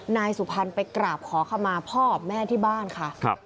นายสุภารไปกราบขอคำมาพ่อแม่ที่บ้านค่ะครับ